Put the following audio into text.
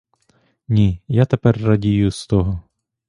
Ні, я тепер радію з того.